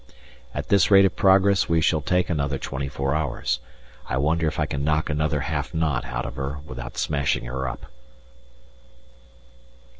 At this rate of progress we shall take another 24 hours. I wonder if I can knock another half knot out of her without smashing her up.